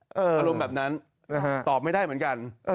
อารมณ์แบบนั้นตอบไม่ได้เหมือนกัน